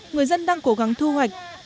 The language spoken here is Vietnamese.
người dân đang cố gắng thu hoạch